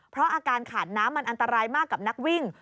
เพราะอาการขาดน้ำมันอันตรายมากกับนักวิ่ง